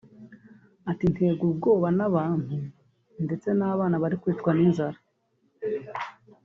Ati”Nterwa ubwoba n’abantu ndetse n’abana bari kwicwa n’inzara